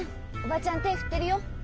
叔母ちゃん手ぇ振ってるよ。